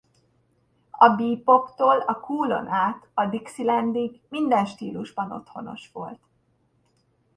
A beboptól a coolon át a dixielandig minden stílusban otthonos volt.